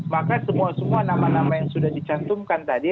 maka semua semua nama nama yang sudah dicantumkan tadi